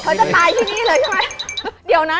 เธอจะตายที่นี่เลยใช่ไหม